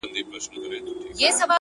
هره پریکړه مسؤلیت زیږوي،